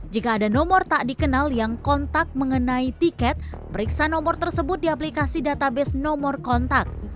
jika ada nomor tak dikenal yang kontak mengenai tiket periksa nomor tersebut di aplikasi database nomor kontak